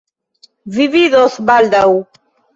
Vi vidos baldaŭ.